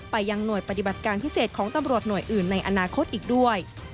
ไปยังหน่วยปฏิบัติการพิเศษของตำรวจหน่วยอื่นในอนาคตอีกด้วย